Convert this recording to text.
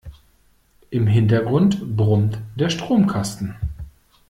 Im Hintergrund brummt der Stromkasten.